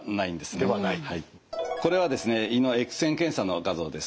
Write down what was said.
これはですね胃のエックス線検査の画像です。